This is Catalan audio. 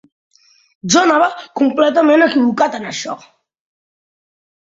Jo anava completament equivocat, en això